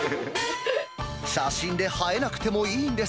写真で映えなくてもいいんです。